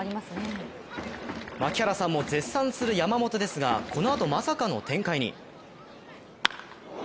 槙原さんも絶賛する山本ですがこのあとまさかの展開に。